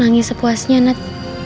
nangis sepuasnya nat